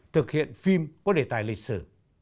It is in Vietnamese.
thực hiện phim có đề tài lịch sử